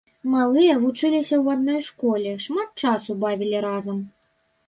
Малыя вучыліся ў адной школе, шмат часу бавілі разам.